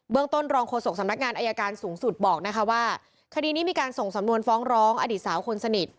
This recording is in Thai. ต้นรองโฆษกสำนักงานอายการสูงสุดบอกนะคะว่าคดีนี้มีการส่งสำนวนฟ้องร้องอดีตสาวคนสนิท